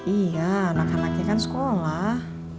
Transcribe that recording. iya anak anaknya kan sekolah